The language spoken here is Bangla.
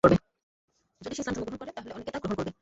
যদি সে ইসলাম ধর্ম গ্রহণ করে তাহলে অনেকে তা গ্রহণ করবে।